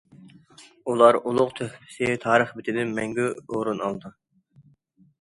ئۇلار ئۇلۇغ تۆھپىسى تارىخ بېتىدىن مەڭگۈ ئورۇن ئالىدۇ.